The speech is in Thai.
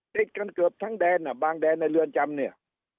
ติดกันเกือบทั้งแดนอ่ะบางแดนในเรือนจำเนี่ย